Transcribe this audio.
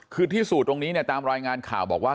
คือที่สูตรตรงนี้เนี่ยตามรายงานข่าวบอกว่า